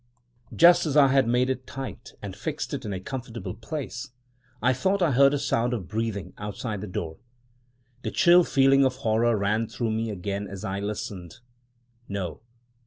Just as I had made it tight and fixed it in a comfortable place, I thought I heard a sound of breathing outside the door. The chill feeling of horror ran through me again as I listened. No!